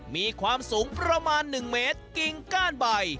มีความสูงประมาณ๑เมตรกิ่งก้านใบ